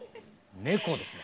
猫ですね。